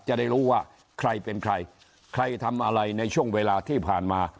จะได้รู้ว่าใครเป็นใครใครทำอะไรในช่วงเวลาที่ผ่านมา